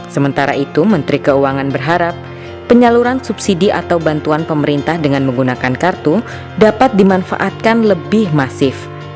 sementara itu menteri keuangan berharap penyaluran subsidi atau bantuan pemerintah dengan menggunakan kartu dapat dimanfaatkan lebih masif